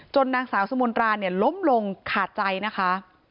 นางสาวสุมนตราเนี่ยล้มลงขาดใจนะคะ